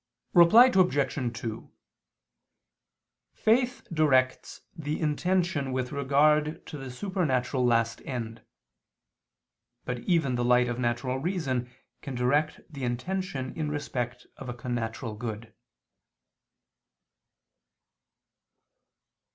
Reply Obj. 2: Faith directs the intention with regard to the supernatural last end: but even the light of natural reason can direct the intention in respect of a connatural good.